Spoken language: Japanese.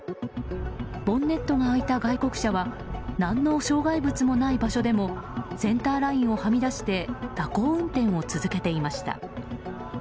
ボンネットが開いた外国車は何の障害物もない場所でもセンターラインをはみ出して蛇行運転を続けていました。